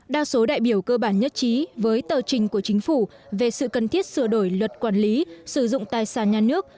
đa số đại biểu cơ bản nhất trí với tờ trình của chính phủ về sự cần thiết sửa đổi luật quản lý sử dụng tài sản nhà nước